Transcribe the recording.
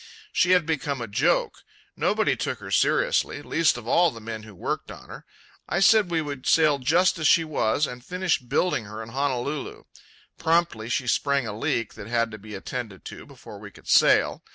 She had become a joke. Nobody took her seriously; least of all the men who worked on her. I said we would sail just as she was and finish building her in Honolulu. Promptly she sprang a leak that had to be attended to before we could sail.